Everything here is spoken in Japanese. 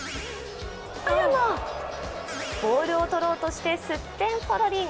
あらま、ボールを捕ろうとしてすってんころりん。